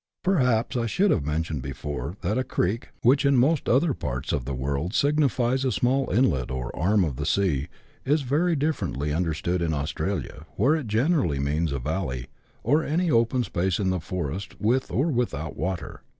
Perhaps I should have mentioned before that a creek, which in most other parts of the world signifies a small inlet or arm of the sea, is very differently understood in Australia, where it generally means a valley, or any open space in the forest, with or without water.